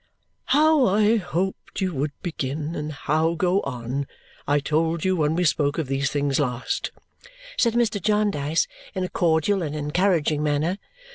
"How I hoped you would begin, and how go on, I told you when we spoke of these things last," said Mr. Jarndyce in a cordial and encouraging manner.